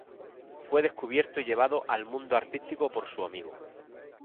Fue descubierto y llevado al mundo artístico por su amigo.